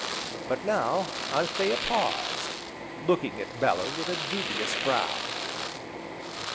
But now Anthea paused, looking at Bellew with a dubious brow.